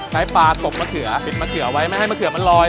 ใช้ปลาตบมะเขือติดมะเขือไว้ไม่ให้มะเขือมันลอย